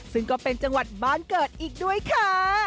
ซึ่งก็เป็นจังหวัดบ้านเกิดอีกด้วยค่ะ